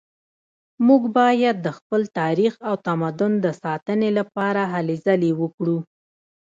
موږ باید د خپل تاریخ او تمدن د ساتنې لپاره هلې ځلې وکړو